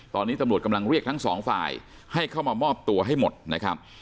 ตอนนี้ตำรวจกำลังเรียกทั้งสองฝ่ายให้เข้ามามอบตัวให้หมดนะครับ